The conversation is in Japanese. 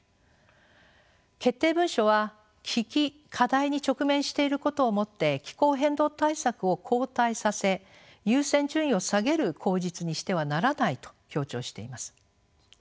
決定文書は危機課題に直面していることをもって気候変動対策を後退させ優先順位を下げる口実にしてはならないと強調しています。